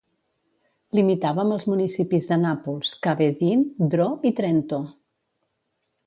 Limitava amb els municipis de Nàpols, Cavedine, Dro i Trento.